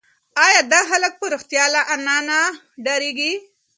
ایا دا هلک په رښتیا له انا نه ډارېږي؟